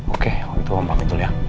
oke om itu om pamit dulu ya